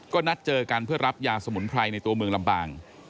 ก็นัดเจอกันเพื่อรับยาสมุนไพรในตัวเมืองลำปาง